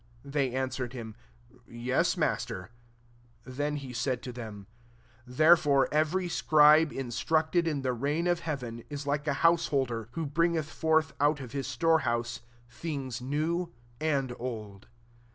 They answered him, "Yes [Master].'* 52 Then he said to them, " Therefore eve ry scribe, instructed in the reign of heaven, is like a house holder, who bringeth forth, out of his store house, thing$ new and old."